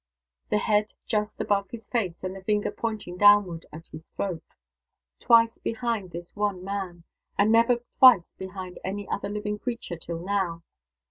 The head just above his face, and the finger pointing downward at his throat. Twice behind this one man. And never twice behind any other living creature till now.